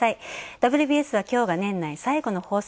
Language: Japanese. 「ＷＢＳ」はきょうが年内最後の放送。